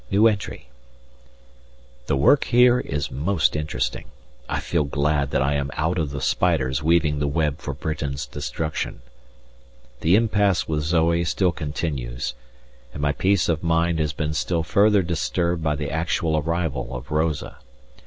The work here is most interesting. I feel glad that I am one of the spiders weaving the web for Britain's destruction. The impasse with Zoe still continues, and my peace of mind has been still further disturbed by the actual arrival of Rosa.